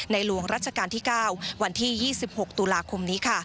ในหลวงราชการที่๙วันที่๒๖ตุลาคมนี้